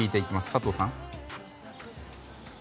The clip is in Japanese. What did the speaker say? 佐藤さん。